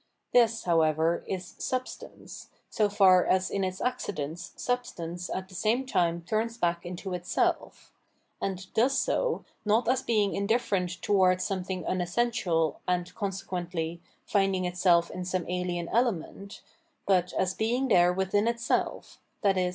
This, however, is Substance, so far as in its accidents substance at the same time turns back into itself ; and does so, not as being indifferent towards something unessential and, con sequently, finding itself in some alien element, but as being there within itself, i.e.